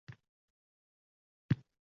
Narsani parchalash qiyindir zotan!